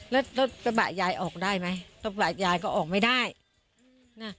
แล้วรถกระบะยายออกได้ไหมกระบะยายก็ออกไม่ได้นะ